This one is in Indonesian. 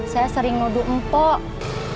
saya sering nuduhmu pok